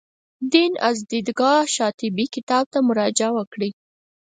دین از دیدګاه شاطبي کتاب ته مراجعه وکړئ.